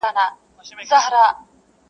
o سل توپکه به په یو کتاب سودا کړو,